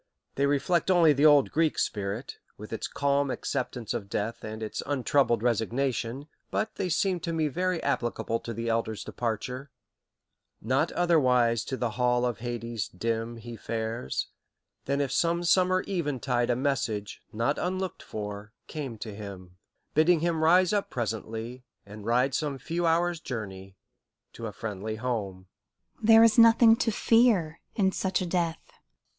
They reflect only the old Greek spirit, with its calm acceptance of death and its untroubled resignation, but they seemed to me very applicable to the elder's departure: Not otherwise to the hall of Hades dim He fares, than if some summer eventide A Message, not unlooked for, came to him; Bidding him rise up presently, and ride Some few hours' journey, to a friendly home." "There is nothing to fear in such a death."